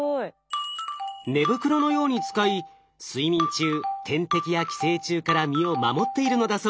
寝袋のように使い睡眠中天敵や寄生虫から身を守っているのだそうです。